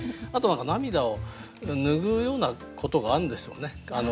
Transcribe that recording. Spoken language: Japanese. あとは涙を拭うようなことがあるんでしょうね